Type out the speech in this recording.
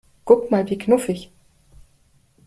Guck mal, wie knuffig!